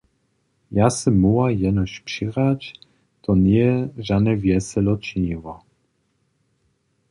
Ja sym móhła jenož přěhrać, to njeje žane wjeselo činiło.